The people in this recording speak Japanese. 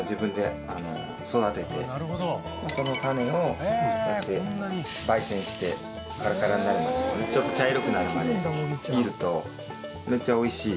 その種をこうやって焙煎してカラカラになるまでちょっと茶色くなるまで煎るとめっちゃ美味しい